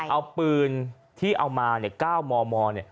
เอาปืนที่เอามา๙มม